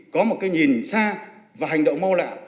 có một nhìn xa và hành động mau lạ